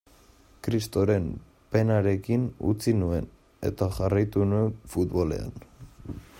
Kristoren penarekin utzi nuen, eta jarraitu nuen futbolean.